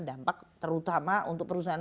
dampak terutama untuk perusahaan